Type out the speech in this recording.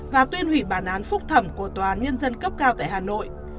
và tuyên hủy bản án phúc thẩm của tòa án nhân dân cấp cao tại hà nội